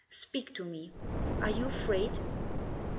Speak to me. Are you afraid